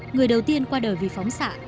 người đầu tiên qua đời vì phóng xạ